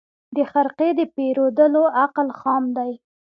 د خرقې د پېرودلو عقل خام دی